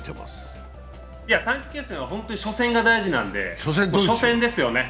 短期決戦は初戦が大事なので、初戦ですよね。